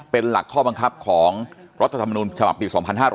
เป็นหลักข้อบังคับของรัฐธรรมนูญฉบับปี๒๕๕๙